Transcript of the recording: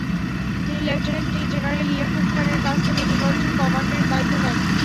তিনি lieutenant general Yakub খানের কাছ থেকে পূর্বাঞ্চল কমান্ডের দায়িত্ব নেন।